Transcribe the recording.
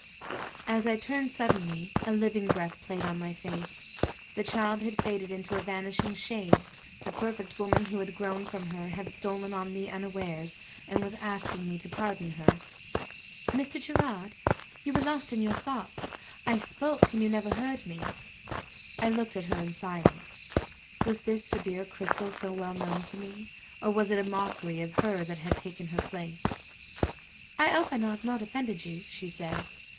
As I turned suddenly, a living breath played on my face. The child had faded into a vanishing shade: the perfected woman who had grown from her had stolen on me unawares, and was asking me to pardon her. "Mr. Gerard, you were lost in your thoughts; I spoke, and you never heard me." I looked at her in silence. Was this the dear Cristel so well known to me? Or was it a mockery of her that had taken her place? "I hope I have not offended you?" she said.